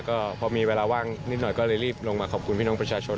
ก็พอมีเวลาว่างนิดหน่อยก็เลยรีบลงมาขอบคุณพี่น้องประชาชน